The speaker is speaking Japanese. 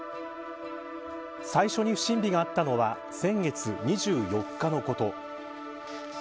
最初に不審火があったのは先月２４日のこと。